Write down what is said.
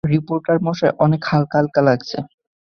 Reporter মশাই, অনেক হালকা হালকা লাগছে।